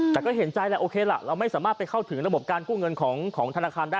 แต่ก็เห็นใจแหละโอเคล่ะเราไม่สามารถไปเข้าถึงระบบการกู้เงินของธนาคารได้